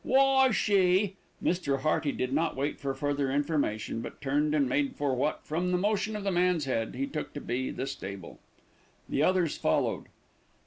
Why she " Mr. Hearty did not wait for further information; but turned and made for what, from the motion of the man's head, he took to be the stable. The others followed.